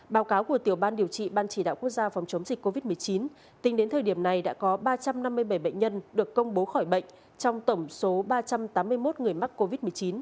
báo cáo của tiểu ban điều trị ban chỉ đạo quốc gia phòng chống dịch covid một mươi chín tính đến thời điểm này đã có ba trăm năm mươi bảy bệnh nhân được công bố khỏi bệnh trong tổng số ba trăm tám mươi một người mắc covid một mươi chín